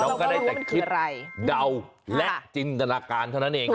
ก็ได้แต่คิดเดาและจินตนาการเท่านั้นเอง